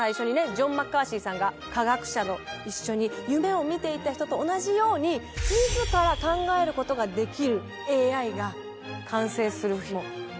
ジョン・マッカーシーさんが科学者と一緒に夢を見ていた人と同じように自ら考えることができるＡＩが完成する日も。